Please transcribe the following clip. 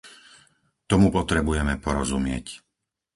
Tomu potrebujeme porozumieť.